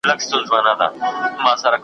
په دامنځ کي ورنیژدې یو سوداګر سو .